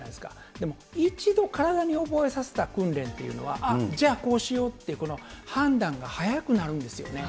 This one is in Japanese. でも、一度体に覚えさせた訓練っていうのは、ああ、じゃあ、こうしようって判断が速くなるんですよね。